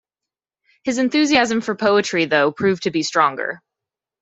His enthusiasm for poetry, though, proved to be stronger.